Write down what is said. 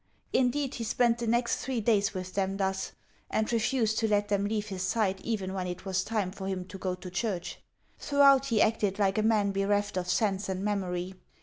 Indeed, he spent the next three days with them thus, and refused to let them leave his sight even when it was time for him to go to church. Throughout he acted like a man bereft of sense and memory.